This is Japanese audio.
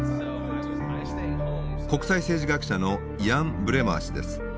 国際政治学者のイアン・ブレマー氏です。